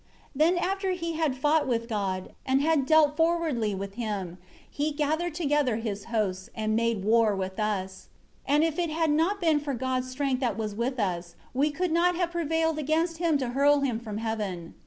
12 Then after he had fought with God, and had dealt forwardly with Him, he gathered together his hosts, and made war with us. And if it had not been for God's strength that was with us, we could not have prevailed against him to hurl him from heaven.